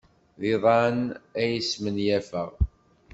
D iḍan ay smenyafeɣ.